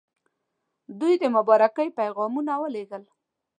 دوی د مبارکۍ پیغامونه ولېږل.